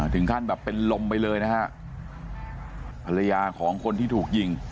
ถึงขั้นแบบเป็นลมไปเลยนะฮะภรรยาของคนที่ถูกยิง